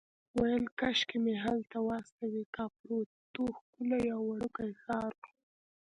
ویل کاشکې مې هلته واستوي، کاپوریتو ښکلی او وړوکی ښار و.